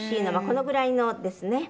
このぐらいのですね。